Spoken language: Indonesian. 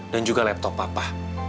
dan juga laptop papa